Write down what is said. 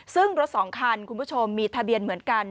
ซึ่งรถสองคันคุณผู้ชมมีทะเบียนเหมือนกัน